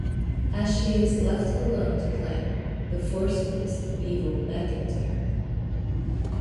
As she is left alone to plan, the forces of evil beckon to her.